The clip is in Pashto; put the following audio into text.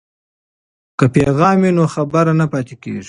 که پیغام وي نو خبر نه پاتې کیږي.